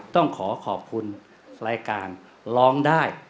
ต้องขอขอบคุณรายการร้องได้